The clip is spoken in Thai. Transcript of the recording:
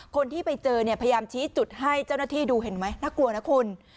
คนที่ไปเจอเนี่ยพยายามชี้จุดให้เจ้าหน้าที่ดูเห็นไหมน่ากลัวนะคุณ